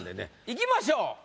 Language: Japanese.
いきましょう。